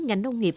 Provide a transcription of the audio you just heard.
ngành nông nghiệp